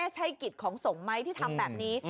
ใช่กิจของสงฆ์ไหมที่ทำแบบนี้